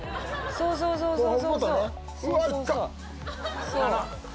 そうそうそうそう！